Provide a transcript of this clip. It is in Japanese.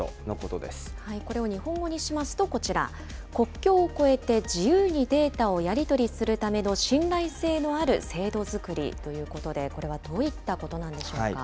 これを日本語にしますと、こちら、国境を越えて自由にデータをやり取りするための信頼性のある制度づくりということで、これはどういったことなんでしょうか。